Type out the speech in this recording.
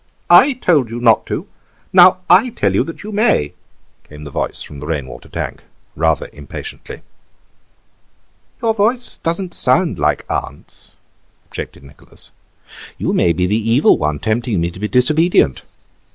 "I told you not to, and now I tell you that you may," came the voice from the rain water tank, rather impatiently. "Your voice doesn't sound like aunt's," objected Nicholas; "you may be the Evil One tempting me to be disobedient.